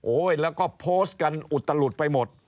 แล้วก็โพสต์กันอุตลุดไปหมด